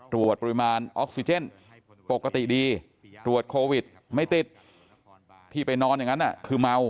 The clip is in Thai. ตรวจปริมาณออกซิเจนปกติดีตรวจโควิดไม่ติดที่ไปนอนอย่างนั้นคือเมา